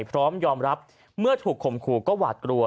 พร้อมยอมรับเมื่อถูกข่มขู่ก็หวาดกลัว